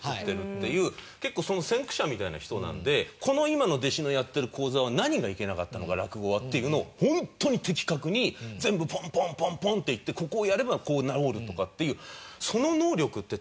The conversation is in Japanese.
この今の弟子のやってる高座は何がいけなかったのか落語はっていうのをホントに的確に全部ポンポンポンポンっていってここをやればこう直るとかっていう。